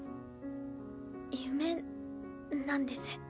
夢なんです。